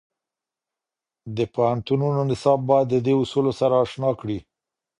د پوهنتونو نصاب باید د دې اصولو سره اشنا کړي.